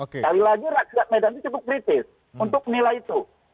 sekali lagi rakyat medan itu cukup kritis untuk nilai itu